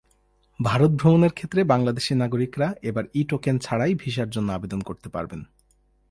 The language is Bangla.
ভারত ভ্রমণের ক্ষেত্রে বাংলাদেশি নাগরিকেরা এবার ই-টোকেন ছাড়াই ভিসার জন্য আবেদন করতে পারবেন।